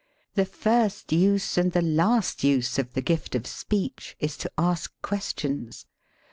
The first use and the last use of the gift of speech is to ask questions.